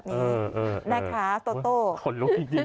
ไหน